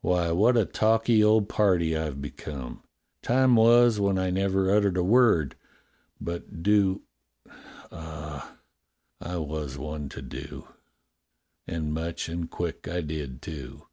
"Why, what a talky old party I've become. Time was when I never uttered a word — but do — ah, I was one to do. And much and quick I did, too."